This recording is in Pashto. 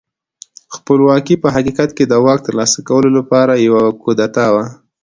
خپلواکي په حقیقت کې د واک ترلاسه کولو لپاره یوه کودتا وه.